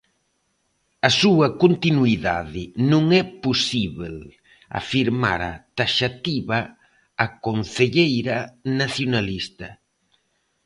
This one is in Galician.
A súa continuidade "non é posíbel", afirmara taxativa a concelleira nacionalista.